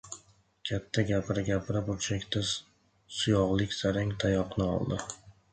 Katta gapira-gapira burchakda suyog‘lik zarang tayoqni oldi.